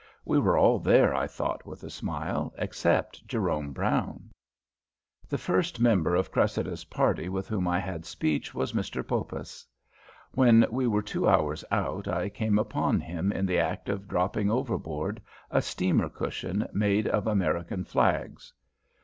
We were all there, I thought with a smile, except Jerome Brown. The first member of Cressida's party with whom I had speech was Mr. Poppas. When we were two hours out I came upon him in the act of dropping overboard a steamer cushion made of American flags.